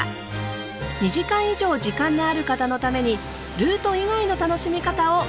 ２時間以上時間のある方のためにルート以外の楽しみ方をご紹介します。